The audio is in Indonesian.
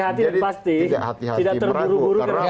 jadi tidak terburu buru